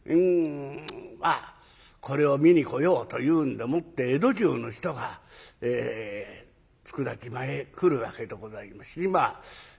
まあこれを見に来ようというんでもって江戸中の人が佃島へ来るわけでございます。